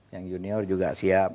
yang junior juga siap